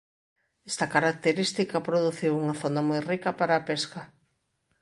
Esta característica produciu unha zona moi rica para a pesca.